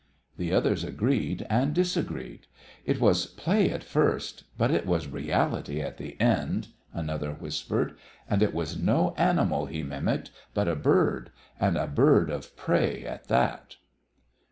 The others agreed and disagreed. "It was play at first, but it was reality at the end," another whispered; "and it was no animal he mimicked, but a bird, and a bird of prey at that!"